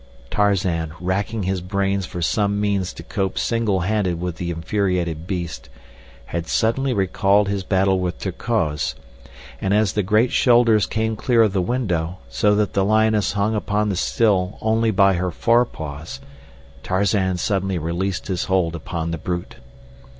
Tarzan, racking his brains for some means to cope single handed with the infuriated beast, had suddenly recalled his battle with Terkoz; and as the great shoulders came clear of the window, so that the lioness hung upon the sill only by her forepaws, Tarzan suddenly released his hold upon the brute.